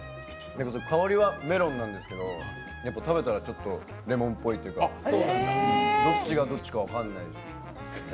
香りはメロンなんですけど食べたらちょっとレモンぽいというか、どっちがどっちか分かんない。